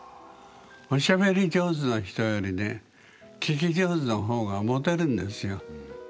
おしゃべり上手な人よりね聞き上手の方がモテるんですよ。